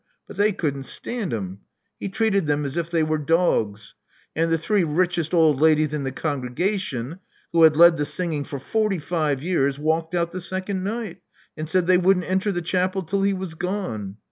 But they couldn't stand him. He treated them as if they were dogs; and the three richest old ladies in the congrega tion, who had led the singing for forty five years, walked out the second night, and said they wouldn't enter the chapel till he was gone.